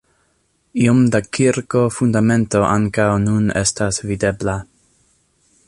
Iom da kirko-fundamento ankaŭ nun estas videbla.